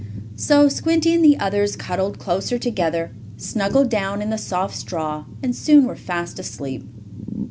So Squinty and the others cuddled closer together, snuggled down in the soft straw, and soon were fast asleep.